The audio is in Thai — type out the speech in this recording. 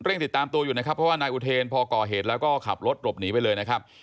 ติดตามตัวอยู่นะครับเพราะว่านายอุเทนพอก่อเหตุแล้วก็ขับรถหลบหนีไปเลยนะครับ